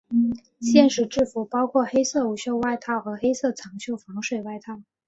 现时制服包括黑色无袖外套和黑色长袖防水外套。